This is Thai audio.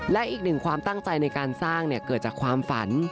และอีกหนึ่งความตั้งใจในการสร้างเกิดจากความฝัน